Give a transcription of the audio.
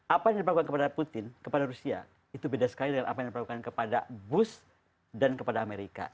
apa yang diperlakukan kepada putin kepada rusia itu beda sekali dengan apa yang diperlakukan kepada bush dan kepada amerika